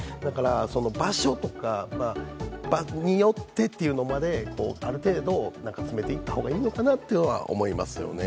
場所とか場によってというのまで、ある程度詰めていった方がいいのかなというのは思いますよね。